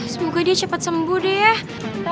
semoga dia cepat sembuh deh ya